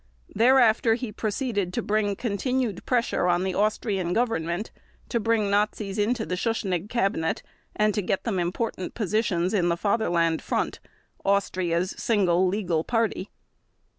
Thereafter he proceeded to bring continued pressure on the Austrian Government to bring Nazis into the Schuschnigg Cabinet and to get them important positions in the Fatherland Front, Austria's single legal party.